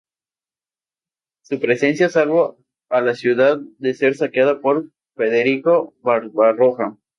Su presencia salvó a la ciudad de ser saqueada por Federico Barbarroja.